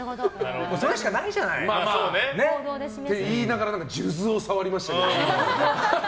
それしかないじゃない。って言いながら数珠を触りましたけど。